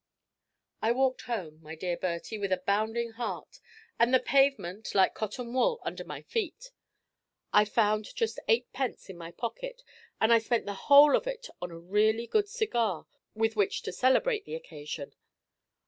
I walked home, my dear Bertie, with a bounding heart, and the pavement like cotton wool under my feet. I found just eightpence in my pocket, and I spent the whole of it on a really good cigar with which to celebrate the occasion.